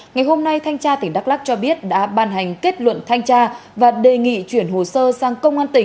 ngày hôm nay thanh tra tỉnh đắk lắc cho biết đã ban hành kết luận thanh tra và đề nghị chuyển hồ sơ sang công an tỉnh